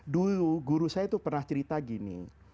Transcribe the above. dulu guru saya itu pernah cerita gini